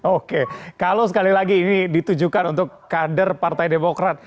oke kalau sekali lagi ini ditujukan untuk kader partai demokrat